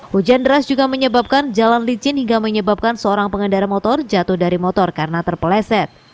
hujan deras juga menyebabkan jalan licin hingga menyebabkan seorang pengendara motor jatuh dari motor karena terpeleset